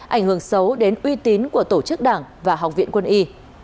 ảnh hưởng xấu đến uy tín của tổ chức đảng và học viện quân y